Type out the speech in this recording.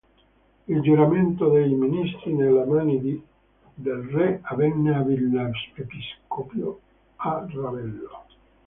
Il giuramento dei ministri nelle mani del Re avvenne a Villa Episcopio a Ravello.